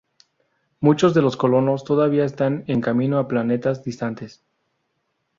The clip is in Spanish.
Muchos de los colonos todavía están en camino a planetas distantes.